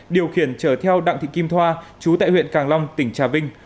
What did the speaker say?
điều khiển chở theo đặng thị kim thoa chú tại huyện càng long tỉnh trà vinh